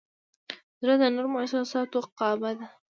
زړه د نرمو احساساتو کعبه ده.